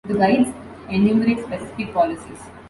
The guides enumerate specific policies.